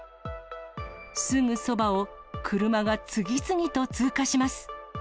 すぐそばを、車が次々と通過します。